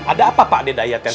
ada apa pak dedayat yang terbuka